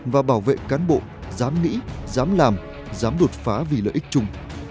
và bảo vệ cán bộ dám nghĩ dám làm dám đột phá vì lợi ích chung